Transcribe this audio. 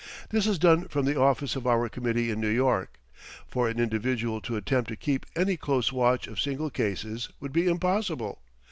This is done from the office of our committee in New York. For an individual to attempt to keep any close watch of single cases would be impossible.